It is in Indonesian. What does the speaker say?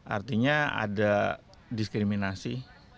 artinya ada diskriminasi